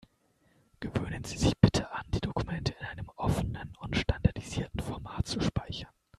Gewöhnen Sie sich bitte an, die Dokumente in einem offenen und standardisierten Format zu speichern.